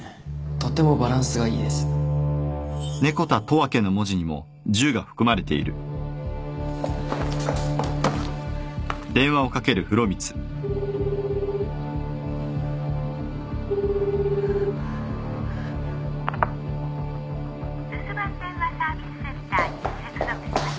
とってもバランスがいいです留守番電話サービスセンターに接続します。